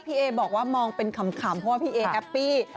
เอบอกว่ามองเป็นขำเพราะว่าพี่เอแฮปปี้